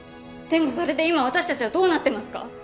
でもそれで今私たちはどうなってますか？